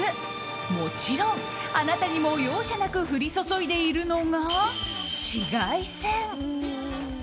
もちろん、あなたにも容赦なく降り注いでいるのが紫外線。